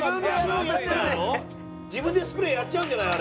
自分でスプレーやっちゃうんじゃない？